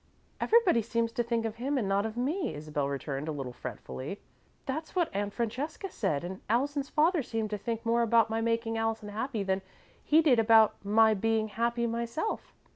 "Everybody seems to think of him and not of me," Isabel returned, a little fretfully. "That's what Aunt Francesca said, and Allison's father seemed to think more about my making Allison happy than he did about my being happy myself."